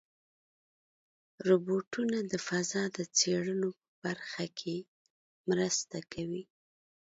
روبوټونه د فضا د څېړنو په برخه کې مرسته کوي.